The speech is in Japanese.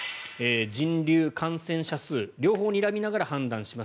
人流、感染者数両方にらみながら判断します。